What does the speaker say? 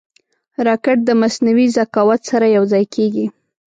راکټ د مصنوعي ذکاوت سره یوځای کېږي